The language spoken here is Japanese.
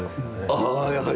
ああやはり。